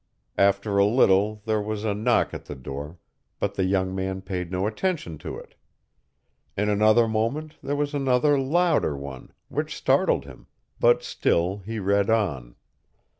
After a little there was a knock at the door, but the young man paid no attention to it. In another moment there was another louder one, which startled him, but still he read on.